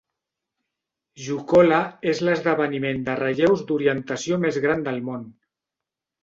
Jukola és l'esdeveniment de relleus d'orientació més gran de món.